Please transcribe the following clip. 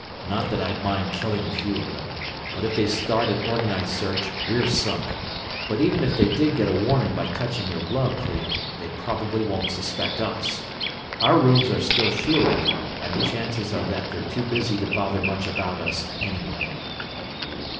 "Not that I'd mind killing a few of them, but if they start an organized search we're sunk. But even if they did get a warning by touching your glove, Clio, they probably won't suspect us. Our rooms are still shielded, and the chances are that they're too busy to bother much about us, anyway."